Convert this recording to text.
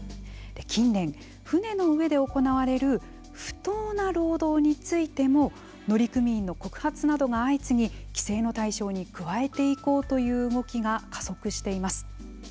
近年、船の上で行われる不当な労働についても乗組員の告発などが相次ぎ規制の対象に加えていこうという動きが加速しています。